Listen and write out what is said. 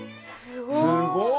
すごい！